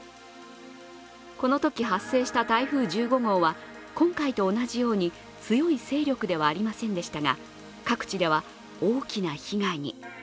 このとき発生した台風１５号は今回と同じように強い勢力ではありませんでしたが、各地では大きな被害に。